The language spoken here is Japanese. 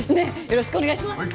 よろしくお願いします。